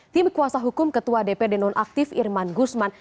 tim kuasa hukum ketua dpd nonaktif irman gusman